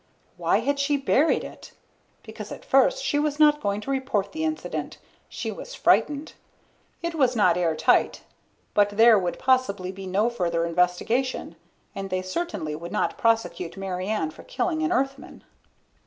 Why had she buried it? Because at first she was not going to report the incident. She was frightened. It was not airtight, but there would probably be no further investigation. And they certainly would not prosecute Mary Ann for killing an Earthman.